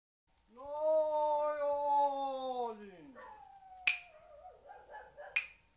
火の用心！